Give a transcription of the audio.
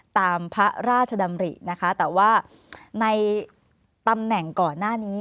ตามพระราชดำรินะคะแต่ว่าในตำแหน่งก่อนหน้านี้